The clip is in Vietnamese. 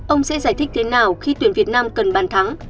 ông sẽ giải thích thế nào khi tuyển việt nam cần bàn thắng